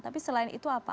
tapi selain itu apa